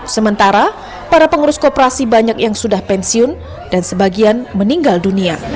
sementara para pengurus kooperasi banyak yang sudah pensiun dan sebagian meninggal dunia